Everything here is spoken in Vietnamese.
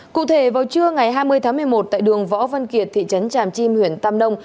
cụ thể vào trưa ngày hai mươi tháng một mươi một tại đường võ văn kiệt thị trấn tràm chim huyện tam nông